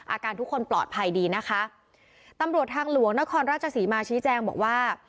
อาการทุกคนปลอดภัยดีนะคะตำรวจทางหลวงนครราชศรีมาชี้แจงบอกว่า